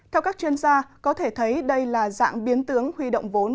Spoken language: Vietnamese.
theo các chuyên gia có thể thấy đây là dạng biến tướng huy động vốn